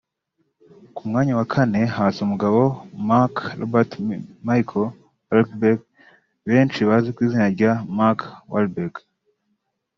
Ku mwanya wa kane haza umugabo Mark Robert Michael Wahlberg benshi bazi ku izina nka Mark Wahlberg